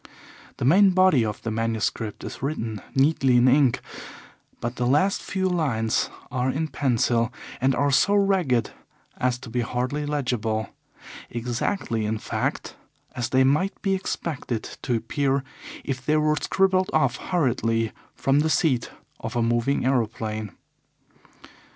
The main body of the manuscript is written neatly in ink, but the last few lines are in pencil and are so ragged as to be hardly legible exactly, in fact, as they might be expected to appear if they were scribbled off hurriedly from the seat of a moving aeroplane.